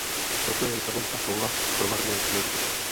Proto je Lisabonská smlouva promarněnou příležitostí.